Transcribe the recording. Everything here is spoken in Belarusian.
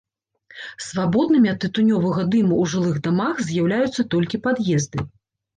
Свабоднымі ад тытунёвага дыму ў жылых дамах з'яўляюцца толькі пад'езды.